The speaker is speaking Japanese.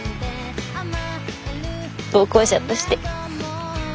同行者として。